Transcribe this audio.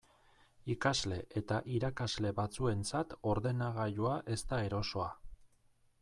Ikasle eta irakasle batzuentzat ordenagailua ez da erosoa.